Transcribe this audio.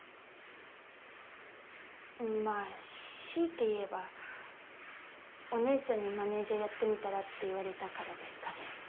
まぁ強いて言えばお姉ちゃんに「マネジャーやってみたら？」って言われたからですかね。